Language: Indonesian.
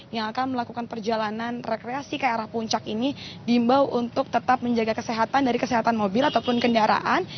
yang akan melakukan perjalanan rekreasi ke arah puncak ini diimbau untuk tetap menjaga kesehatan dari kesehatan mobil ataupun kendaraan